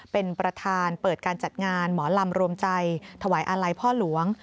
เป็นประธานเปิดการจัดงานหมอลำรวมใจถวายอาลัยพ่อหลวง